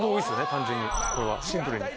完全にこれはシンプルに。